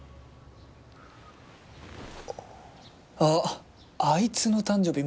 あっあいつの誕生日